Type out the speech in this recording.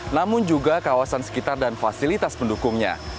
namun juga kawasan sekitar dan fasilitas pendukungnya